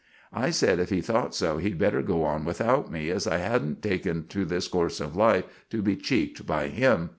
I sed if he thought so he'd better go on without me, as I hadn't taken to this corse of life to be cheeked by him.